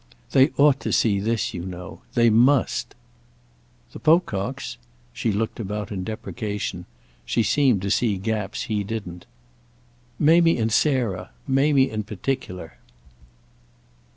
"They ought to see this, you know. They must." "The Pococks?"—she looked about in deprecation; she seemed to see gaps he didn't. "Mamie and Sarah—Mamie in particular."